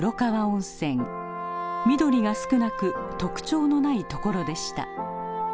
緑が少なく特徴のないところでした。